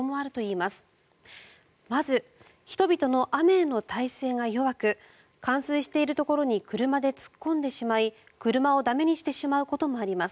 まず、人々の雨への耐性が弱く冠水しているところに車で突っ込んでしまい車を駄目にしてしまうこともあります。